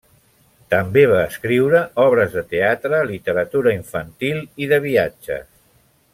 També va escriure obres de teatre, literatura infantil i de viatges.